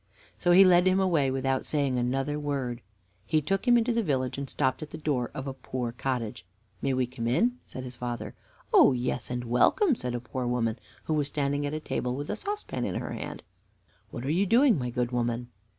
So he led him away, without saying another word. He took him into the village, and he stopped at the door, of a poor cottage. "May we come in?" said his father. "Oh yes, and welcome," said a poor woman, who was standing at a table with a saucepan in her hand. "What are you doing, my good woman?"